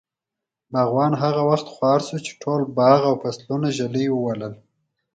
باغوان هغه وخت خوار شو، چې ټول باغ او فصلونه ږلۍ ووهل.